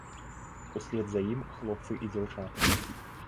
Услед за ім хлопцы і дзяўчаты.